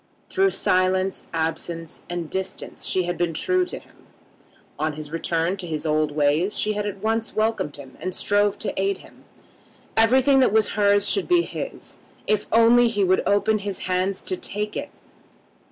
Through silence, absence, and distance she had been true to him. On his return to his old ways she had at once welcomed him and strove to aid him. Everything that was hers should be his, if only he would open his hands to take it.